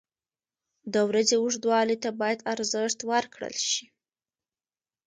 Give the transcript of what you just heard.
• د ورځې اوږدوالي ته باید ارزښت ورکړل شي.